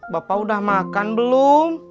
bapak udah makan belum